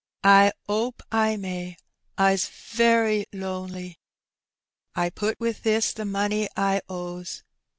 I 'ope I may, I's very lon ly. I put with this the money I ow's.